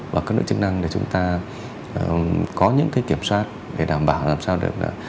và các nội chức năng để chúng ta có những kiểm soát để đảm bảo làm sao được